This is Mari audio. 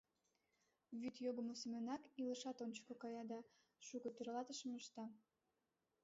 Вӱд йогымо семынак илышат ончыко кая да шуко тӧрлатышым ышта.